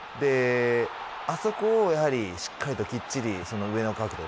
あそこをしっかりときっちり上の角度。